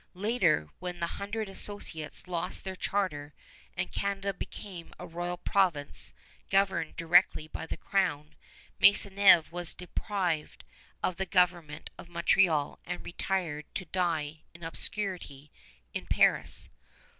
Later, when the Hundred Associates lost their charter and Canada became a Royal Province governed directly by the Crown, Maisonneuve was deprived of the government of Montreal and retired to die in obscurity in Paris.